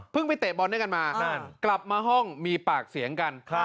ไปเตะบอลด้วยกันมากลับมาห้องมีปากเสียงกัน